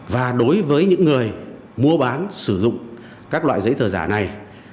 và đối với những người mua bán sử dụng các loại giấy tờ giả này